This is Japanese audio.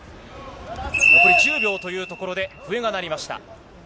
残り１０秒というところで笛が鳴りました。